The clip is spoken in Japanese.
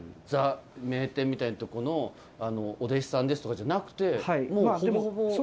ザ・名店みたいなところのお弟子さんですとかじゃなくて、もうほぼほぼ？